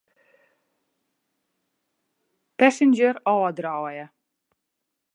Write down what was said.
Passenger ôfdraaie.